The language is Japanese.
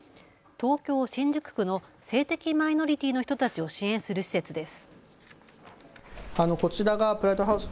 東京新宿区の性的マイノリティーの人たちを支援する施設です。